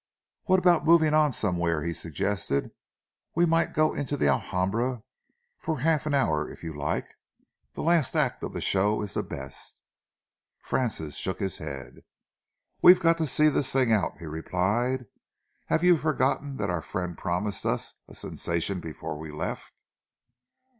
"What about moving on somewhere?" he suggested. "We might go into the Alhambra for half an hour, if you like. The last act of the show is the best." Francis shook his head. "We've got to see this thing out," he replied. "Have you forgotten that our friend promised us a sensation before we left?"